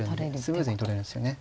スムーズに取れるんですよね。